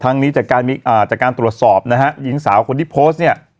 นี้จากการจากการตรวจสอบนะฮะหญิงสาวคนที่โพสต์เนี่ย